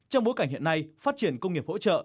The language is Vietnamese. trong bối cảnh hiện nay phát triển công nghiệp hỗ trợ